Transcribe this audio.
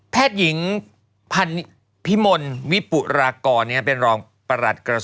แพทยิงพิมลวิปุรากรเป็นรองประหลัดกรรม